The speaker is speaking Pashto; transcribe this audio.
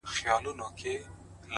تا چي پر لمانځه له ياده وباسم!!